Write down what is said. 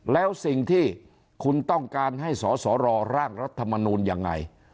แล้วสิ่งที่คุณต้องการให้สสรร่างรัฐมนูลยังไง